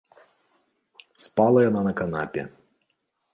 Спала яна на канапе.